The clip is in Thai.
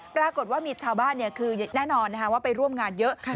ปรากฏว่ามีชาวบ้านคือแน่นอนว่าไปร่วมงานเยอะ